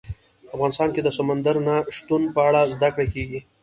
افغانستان کې د سمندر نه شتون په اړه زده کړه کېږي.